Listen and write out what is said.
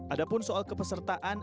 ada pun soal kepesertaan